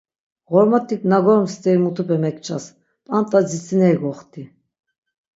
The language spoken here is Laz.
Ğormotik na gorum steri mutupe megças, p̆ant̆a dzitsineri goxti.